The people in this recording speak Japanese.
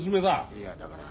いやだから。